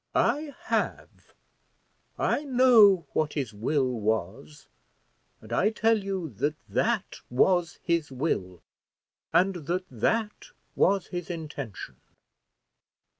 I have; I know what his will was; and I tell you that that was his will, and that that was his intention."